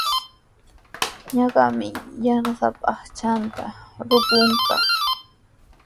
Ñuqami yanasaapa aqchanta rukuq kaa.